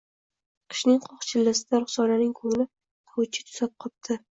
Qishning qoq chillasida Ruxsoraning ko`ngli dovuchcha tusab qopti